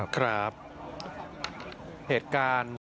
ครับเหตุการณ์